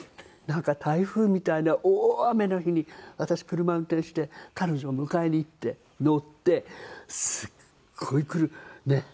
なんか台風みたいな大雨の日に私車運転して彼女を迎えに行って乗ってすっごいねえ。